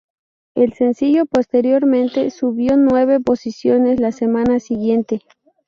El sencillo, posteriormente, subió nueve posiciones la semana siguiente.